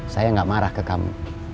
saya gak marah ke kamu